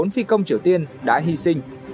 một mươi bốn phi công triều tiên đã hy sinh